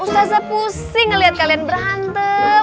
usah pusing ngeliat kalian berantem